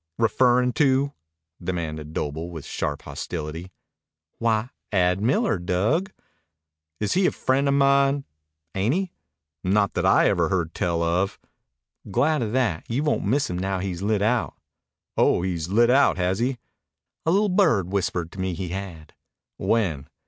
"Referrin' to?" demanded Doble with sharp hostility. "Why, Ad Miller, Dug." "Is he a friend of mine?" "Ain't he?" "Not that I ever heard tell of." "Glad of that. You won't miss him now he's lit out." "Oh, he's lit out, has he?" "A li'l bird whispered to me he had." "When?"